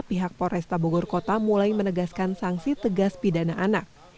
pihak polresta bogor kota mulai menegaskan sanksi tegas pidana anak